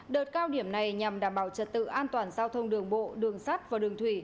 đợt cao điểm này nhằm đảm bảo trật tự an toàn giao thông đường bộ đường sắt và đường thủy